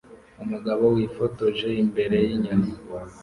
Umugabo wifotoje imbere y’inyoni